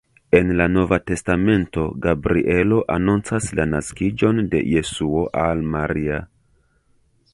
En la nova testamento Gabrielo anoncas la naskiĝon de Jesuo al Maria.